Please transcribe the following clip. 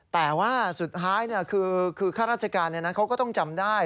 แต่ว่าสุดท้ายคือข้าราชการเขาก็ต้องจำได้